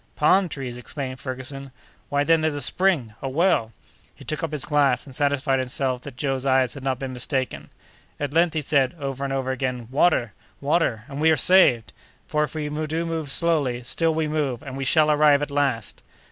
"Palm trees!" exclaimed Ferguson; "why, then there's a spring—a well!" He took up his glass and satisfied himself that Joe's eyes had not been mistaken. "At length!" he said, over and over again, "water! water! and we are saved; for if we do move slowly, still we move, and we shall arrive at last!"